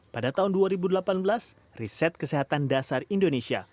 pada tahun dua ribu delapan belas riset kesehatan dasar indonesia